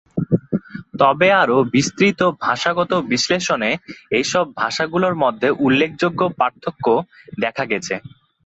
তবে আরও বিস্তৃত ভাষাগত বিশ্লেষণে এই সব ভাষাগুলোর মধ্যে উল্লেখযোগ্য পার্থক্য দেখা গেছে।